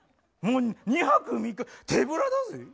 ２泊３日手ぶらだぜぇ？